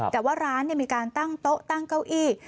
แต่ว่าร้านมีการตั้งโต๊ะตั้งเก้าอี้